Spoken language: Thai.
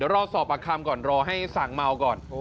เดี๋ยวเราสอบอักคาร์มก่อนรอให้สั่งเมาก่อนโอ้